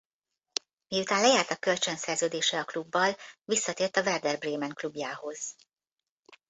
Miután lejárt a kölcsön szerződése a klubbal visszatért a Werder Bremen klubjához.